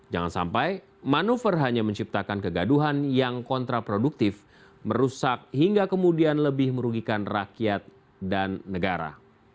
jangan sampai manuver hanya menciptakan kegaduhan yang kontraproduktif merusak hingga kemudian lebih merugikan rakyat dan negara